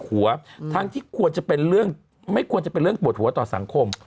หัวทั้งที่ควรจะเป็นเรื่องไม่ควรจะเป็นเรื่องปวดหัวต่อสังคม